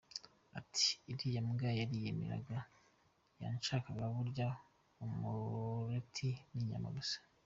Ati “Iriya mbwa yariyemeraga, yashakaga kurya umureti n’inyama gusa.